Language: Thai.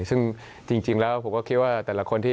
ซึ่งจริงแล้วผมก็คิดว่าแต่ละคนที่